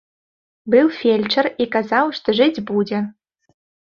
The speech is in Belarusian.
Быў фельчар і казаў, што жыць будзе.